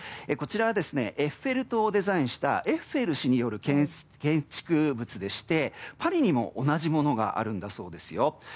こちらはエッフェル塔をデザインしたエッフェル氏による建築物でしてパリにも同じものがあるんだそうですよ。